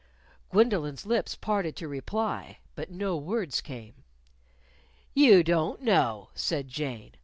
_" Gwendolyn's lips parted to reply. But no words came. "You don't know," said Jane.